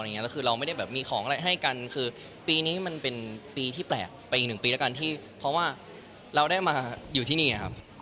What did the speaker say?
แล้วคือเราไม่ได้แบบมีของอะไรให้กันคือปีนี้มันเป็นปีที่แปลกไปอีกหนึ่งปีแล้วกันที่เพราะว่าเราได้มาอยู่ที่นี่ครับ